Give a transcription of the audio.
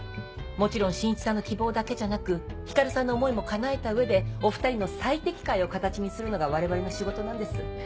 もちろん晋一さんの希望だけじゃなくひかるさんの思いも叶えた上でお２人の最適解を形にするのが我々の仕事なんです。